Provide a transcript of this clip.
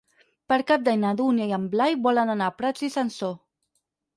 Per Cap d'Any na Dúnia i en Blai volen anar a Prats i Sansor.